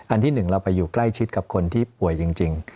ที่หนึ่งเราไปอยู่ใกล้ชิดกับคนที่ป่วยจริง